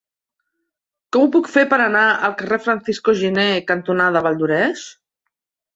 Com ho puc fer per anar al carrer Francisco Giner cantonada Valldoreix?